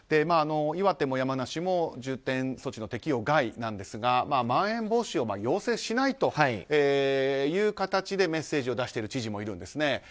岩手も山梨も重点措置の適用外なんですがまん延防止を要請しないという形でメッセージを出している知事もいるんですね。